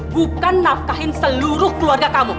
bukan nafkahin seluruh keluarga kamu